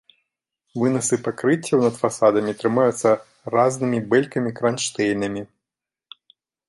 Вынасы пакрыццяў над фасадамі трымаюцца разнымі бэлькамі-кранштэйнамі.